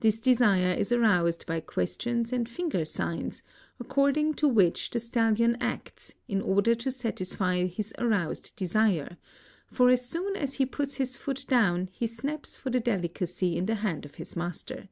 This desire Is aroused by questions and finger signs, according to which the stallion acts, in order to satisfy his aroused desire, for as soon as he puts his foot down he snaps for the delicacy in * the hand of his master.